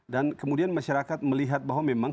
dan kemudian masyarakat melihat bahwa memang